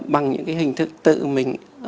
bằng những cái hình thức tự mình